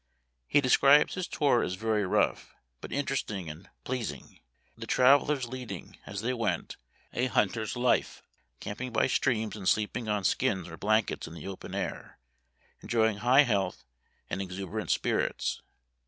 He describes his tour as very rough, but interesting and pleas ing, the travelers leading, as they went, a hunt er's life, camping by streams and sleeping on skins or blankets in the open air, enjoying high health and exuberant spirits.